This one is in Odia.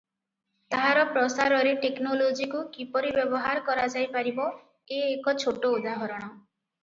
ତାହାର ପ୍ରସାରରେ ଟେକନୋଲୋଜିକୁ କିପରି ବ୍ୟବହାର କରାଯାଇପାରିବ ଏ ଏକ ଛୋଟ ଉଦାହରଣ ।